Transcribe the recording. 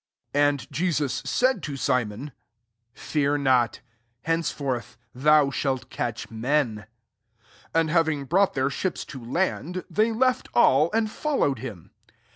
And Jesus said to Simon " Fear not ; henceforth thou shalt catch men." 1 1 And having brought their ships to land, they left all, and followed him.